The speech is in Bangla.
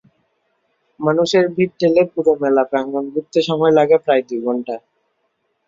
মানুষের ভিড় ঠেলে পুরো মেলা প্রাঙ্গণ ঘুরতে সময় লাগে প্রায় দুই ঘণ্টা।